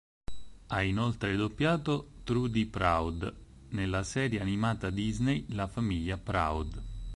Ha inoltre doppiato Trudy Proud nella serie animata Disney "La Famiglia Proud".